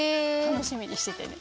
楽しみにしててね。